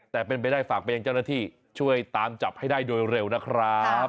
แต่เป็นไปได้ฝากไปยังเจ้าหน้าที่ช่วยตามจับให้ได้โดยเร็วนะครับ